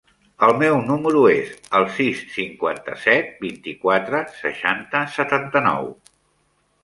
El meu número es el sis, cinquanta-set, vint-i-quatre, seixanta, setanta-nou.